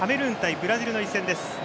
ブラジルの一戦です。